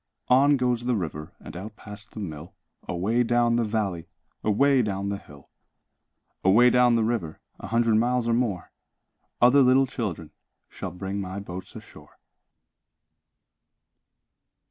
On goes the river And out past the mill, Away down the valley, Away down the hill. Away down the river, A hundred miles or more, Other little children Shall bring my boats ashore.